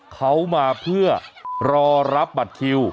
เขามาเพื่อรอรับบัตรคิว